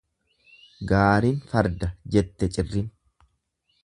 Gaarin farda jette cirrin.